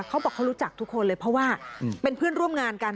เขาบอกเขารู้จักทุกคนเลยเพราะว่าเป็นเพื่อนร่วมงานกัน